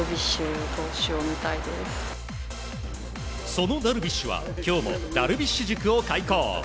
そのダルビッシュは今日もダルビッシュ塾を開講。